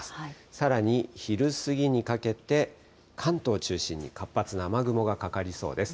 さらに昼過ぎにかけて、関東を中心に活発な雨雲がかかりそうです。